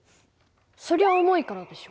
そりゃ重いからでしょ。